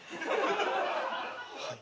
はい。